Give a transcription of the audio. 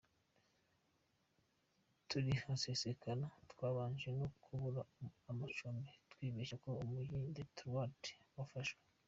Tukihasesekara twabanje no kubura amacumbi twibeshya ko Umujyi wa Detroit wafashwe